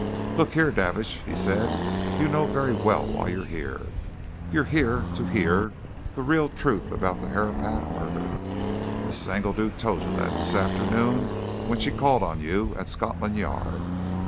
"Look here, Davidge!" he said. "You know very well why you're here you're here to hear the real truth about the Herapath murder! Mrs. Engledew told you that this afternoon, when she called on you at Scotland Yard.